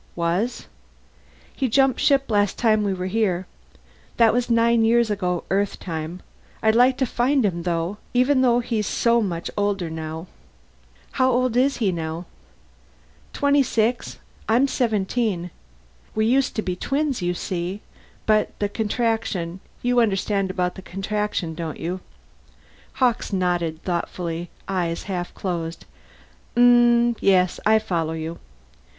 "Was?" "He jumped ship last time we were here. That was nine years ago Earthtime. I'd like to find him, though. Even though he's so much older now." "How old is he now?" "Twenty six. I'm seventeen. We used to be twins, you see. But the Contraction you understand about the Contraction, don't you?" Hawkes nodded thoughtfully, eyes half closed. "Mmm yes, I follow you.